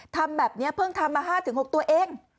ทำแบบนี้เพิ่งทำมา๕๖ตัวเอง